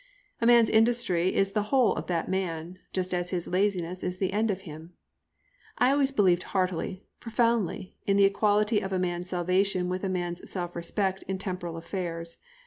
A man's industry is the whole of that man, just as his laziness is the end of him. I always believed heartily, profoundly, in the equality of a man's salvation with a man's self respect in temporal affairs.